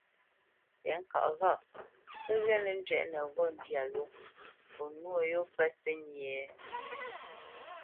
Tɛ̌ŋka ghâʼ pə́ ghê nə́ njwɛ́ʼnə ghô ndyâ ló o nwô yô pə́ tsə́nyê?